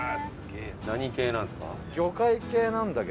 何系なんですか？